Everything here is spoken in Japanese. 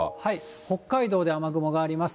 北海道で雨雲があります。